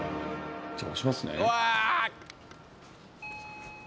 じゃあ押しますね